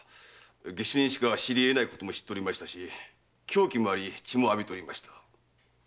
下手人しか知り得ないことも知っておりましたし凶器もあり血も浴びておりました。